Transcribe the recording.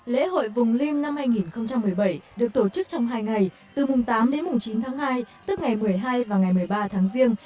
lễ hội vùng lim năm hai nghìn một mươi bảy được tổ chức trong hai ngày từ tám đến chín tháng hai tức ngày một mươi hai và ngày một mươi ba tháng giêng